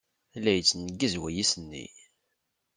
La yettneggiz wayis-nni.